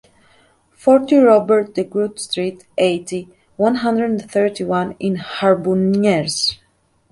Forty Robert Degroote Street, eighty, one hundred thirty-one in Harbonnières